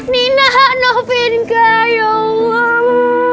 nina novin kaya allah